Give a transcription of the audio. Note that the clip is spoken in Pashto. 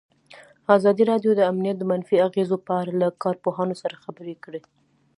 ازادي راډیو د امنیت د منفي اغېزو په اړه له کارپوهانو سره خبرې کړي.